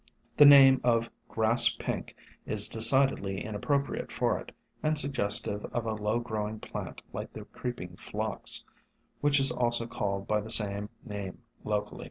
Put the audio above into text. The name of Grass Pink is decidedly in appropriate for it, and suggestive of a low growing plant like the Creeping Phlox, which is also called by the same name locally.